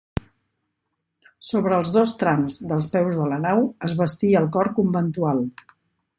Sobre els dos trams dels peus de la nau es bastí el cor conventual.